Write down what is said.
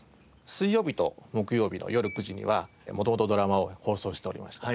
水曜日と木曜日のよる９時には元々ドラマを放送しておりました。